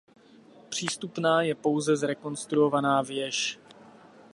Přístupná je pouze zrekonstruovaná věž.